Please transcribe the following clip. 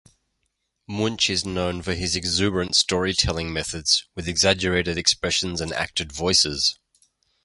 Munsch is known for his exuberant storytelling methods, with exaggerated expressions and acted voices.